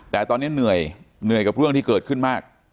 แต่ตอนนี้เหนื่อยเหนื่อยกับเรื่องที่เกิดขึ้นมาก